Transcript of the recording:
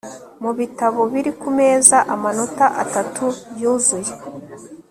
Mubitabo biri ku meza amanota atatu yuzuye